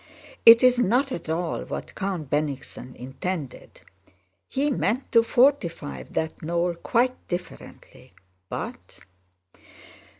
"It is not at all what Count Bennigsen intended. He meant to fortify that knoll quite differently, but..."